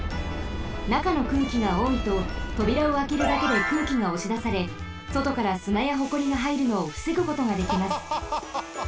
なかの空気がおおいととびらをあけるだけで空気がおしだされそとからすなやホコリがはいるのをふせぐことができます。